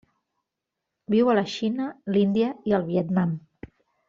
Viu a la Xina, l'Índia i el Vietnam.